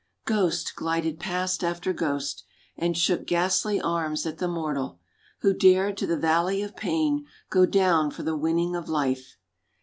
Ghost glided past after ghost, and shook ghastly arms at the mortal Who dared to the valley of pain go down for the winning of life.